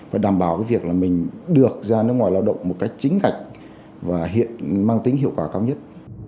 và đảm bảo việc mình được ra nước ngoài lao động một cách chính ngạch và mang tính hiệu quả cao nhất